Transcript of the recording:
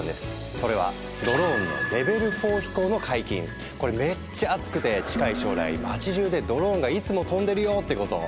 それはこれめっちゃアツくて近い将来街じゅうでドローンがいつも飛んでるよってこと。